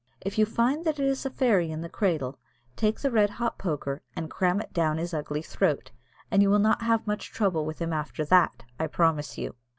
If you find that it is a fairy in the cradle, take the red hot poker and cram it down his ugly throat, and you will not have much trouble with him after that, I promise you."